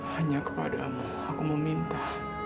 hanya kepadamu aku meminta